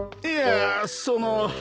いやその。